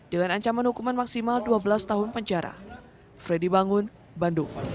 dengan ancaman hukuman maksimal dua belas tahun penjara